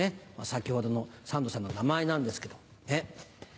先ほどの三度さんの名前なんですけどね。